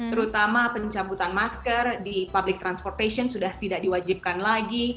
terutama pencabutan masker di public transportation sudah tidak diwajibkan lagi